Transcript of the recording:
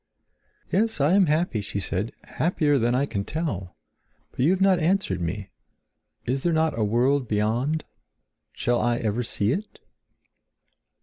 "Yes, I am happy," she said, "happier than I can tell. But you have not answered me. Is there not a world beyond? Shall I ever see it?"